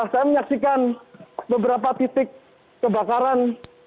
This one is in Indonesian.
saya menyaksikan beberapa titik kebakaran